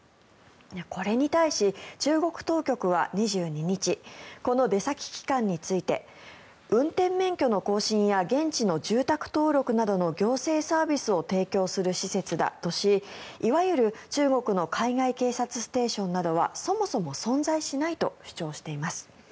これに対し、中国当局は２２日この出先機関について運転免許の更新や現地の住宅登録などの行政サービスを提供する施設だとしいわゆる中国の海外警察ステーションなどはそもそも存在しないと主張しています。